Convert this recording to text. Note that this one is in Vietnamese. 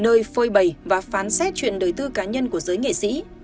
nơi phơi bầy và phán xét chuyện đời tư cá nhân của giới nghệ sĩ